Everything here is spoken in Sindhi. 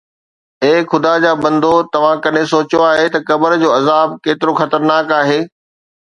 اي خدا جا بندو، توهان ڪڏهن سوچيو آهي ته قبر جو عذاب ڪيترو خطرناڪ آهي؟